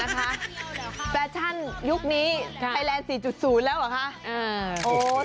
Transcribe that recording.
แฟชั่นยุคนี้ไทยแลนด์๔๐แล้วเหรอคะ